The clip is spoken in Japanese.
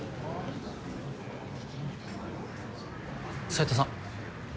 斎藤さん。